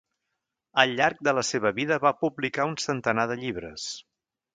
Al llarg de la seva vida va publicar un centenar de llibres.